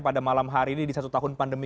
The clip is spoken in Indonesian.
pada malam hari ini di satu tahun pandemi